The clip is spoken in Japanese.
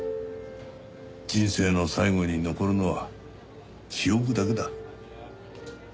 人生の最後に残るのは記憶だけだ。